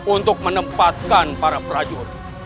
untuk menempatkan para prajurit